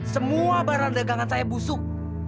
semua barang dagangan saya busuk